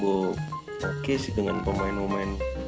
gue oke sih dengan pemain pemain